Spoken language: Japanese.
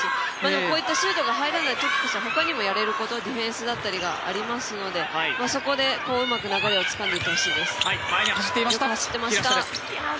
こういったシュートが入らないときこそ他にもやれることディフェンスだった利があるのでそこで、うまく流れをつかんでいってほしいです。